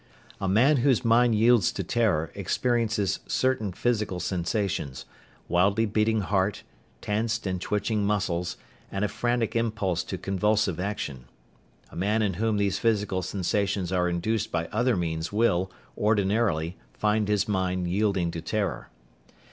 A man whose mind yields to terror experiences certain physical sensations: wildly beating heart, tensed and twitching muscles, and a frantic impulse to convulsive action. A man in whom those physical sensations are induced by other means will, ordinarily, find his mind yielding to terror.